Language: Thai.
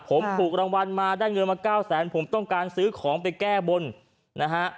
ผมถูกรางวัลมาได้เงินมาเก้าแสนผมต้องการซื้อของไปแก้บนนะฮะ